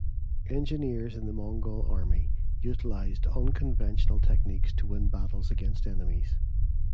Engineers in the Mongol Army utilized unconventional techniques to win battles against enemies.